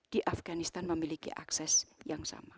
di afganistan memiliki akses yang sama